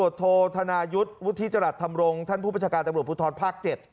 พตธนายุทธ์วุฒิจรัตน์ธรรมรงค์ท่านผู้ประชาการตภูทรภาค๗